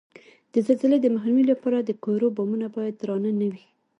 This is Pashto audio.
د زلزلې د مخنیوي لپاره د کورو بامونه باید درانه نه وي؟